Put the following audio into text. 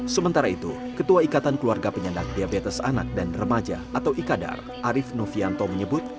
sementara itu ketua ikatan keluarga penyandang diabetes anak dan remaja atau ikadar arief novianto menyebut